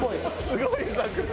すごい作戦！